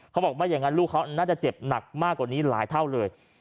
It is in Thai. เขาบอกไม่อย่างนั้นลูกเขาน่าจะเจ็บหนักมากกว่านี้หลายเท่าเลย